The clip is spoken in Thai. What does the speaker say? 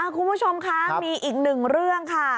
คุณผู้ชมคะมีอีกหนึ่งเรื่องค่ะ